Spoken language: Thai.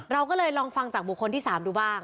เราก็เลยลองฟังจากบุคคลที่๓ดูบ้าง